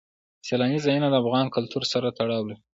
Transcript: سیلانی ځایونه د افغان کلتور سره تړاو لري.